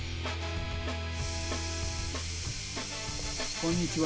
こんにちは。